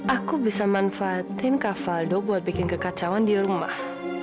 aku bisa manfaatin kavaldo buat bikin kekacauan di rumah